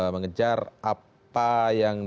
mengejar apa yang dibayangkan